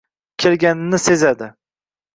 kelganini sezadi.